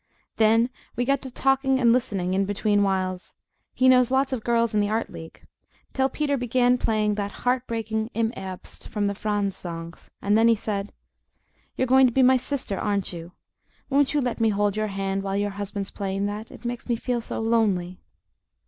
Then we got to talking and listening in between whiles he knows lots of girls in the Art League till Peter began playing that heart breaking "Im Herbst" from the Franz Songs, and then he said: "You're going to be my sister, aren't you? Won't you let me hold your hand while your husband's playing that? It makes me feel so lonely!"